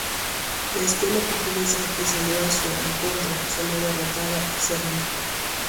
La escuadra portuguesa que salió a su encuentro salió derrotada y se rindió.